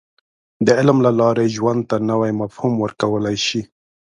• د علم له لارې، ژوند ته نوی مفهوم ورکولی شې.